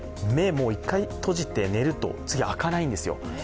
もう一回閉じて寝ると次、開かないんですよ。